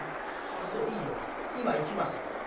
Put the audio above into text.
あそういいよ。今行きますよ。